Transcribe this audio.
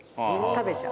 食べちゃう。